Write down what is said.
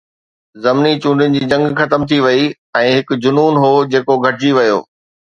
ضمني چونڊن جي جنگ ختم ٿي وئي ۽ هڪ جنون هو جيڪو گهٽجي ويو